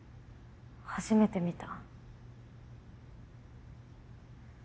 初めて見た。